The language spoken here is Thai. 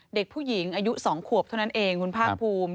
เด็กผู้หญิงอายุ๒ขวบเท่านั้นเองคุณภาคภูมิ